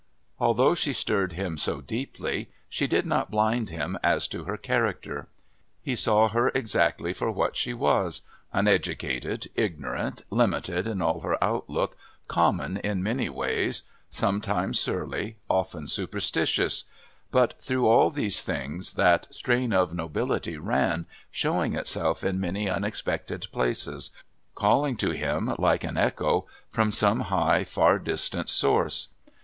Although she stirred him so deeply she did not blind him as to her character. He saw her exactly for what she was uneducated, ignorant, limited in all her outlook, common in many ways, sometimes surly, often superstitious; but through all these things that strain of nobility ran, showing itself in many unexpected places, calling to him like an echo from some high, far distant source.